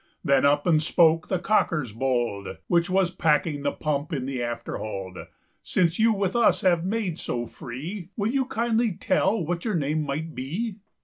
Then up and spoke the caulkyers bold, Which was packing the pump in the afterhold:"Since you with us have made so free, Will you kindly tell what your name might be?"